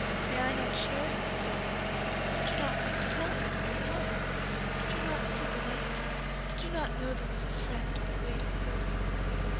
May I not share your sorrow? Did you not think to tell me you were come? Did you not see the light, did you not know there was a friend that waited for you?'